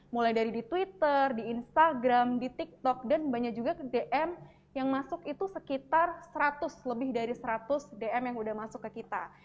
mulai dari di twitter di instagram di tiktok dan banyak juga dm yang masuk itu sekitar seratus lebih dari seratus dm yang udah masuk ke kita